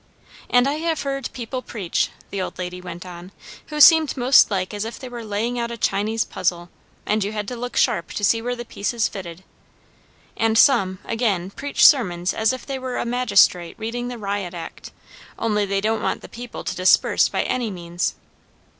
And I have heard people preach," the old lady went on, "who seemed most like as if they were laying out a Chinese puzzle, and you had to look sharp to see where the pieces fitted. And some, again, preach sermons as if they were a magistrate reading the Riot Act, only they don't want the people to disperse by any means.